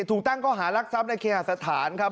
ถูกตั้งก็หารักษัพในเคหาสถานครับ